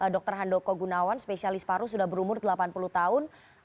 dr handoko gunawan spesialis paru sudah berumur delapan puluh tahun